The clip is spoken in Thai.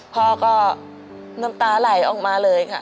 พ่อก็น้ำตาไหลออกมาเลยค่ะ